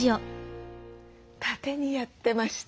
縦にやってました。